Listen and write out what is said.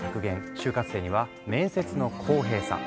就活生には面接の公平さ。